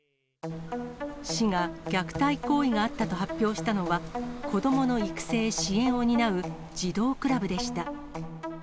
市が虐待行為があったと発表したのは、子どもの育成・支援を担う児童クラブでした。